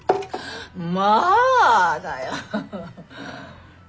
「まああ」だよ。